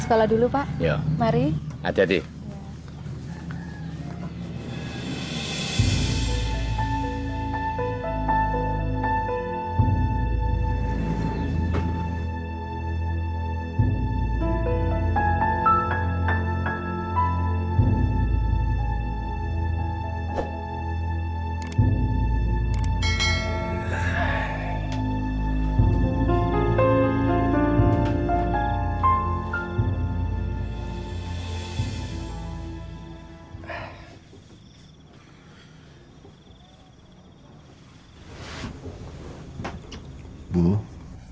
sampai jumpa di video selanjutnya